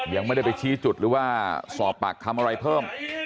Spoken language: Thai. ยังไม่ได้ไปชี้จุดหรือว่าสอบปากคำอะไรเพิ่ม